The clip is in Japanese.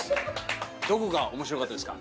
どこが面白かったですか？